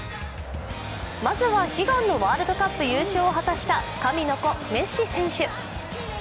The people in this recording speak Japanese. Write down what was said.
まずは、悲願のワールドカップ優勝を果たした神の子・メッシ選手。